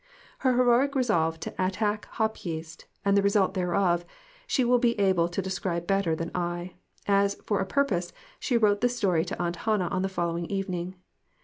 Her heroic resolve to attack hop yeast, and the result thereof, she will be able to describe better than I ; as, for a purpose, she wrote the story to Aunt Hannah on the following evening.